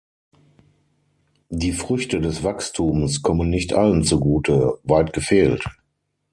Die Früchte des Wachstums kommen nicht allen zugute, weit gefehlt!